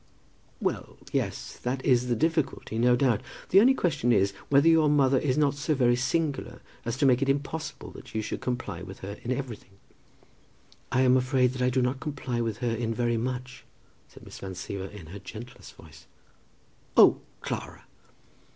"Well, yes; that is the difficulty, no doubt. The only question is, whether your mother is not so very singular, as to make it impossible that you should comply with her in everything." "I am afraid that I do not comply with her in very much," said Miss Van Siever in her gentlest voice. "Oh, Clara!"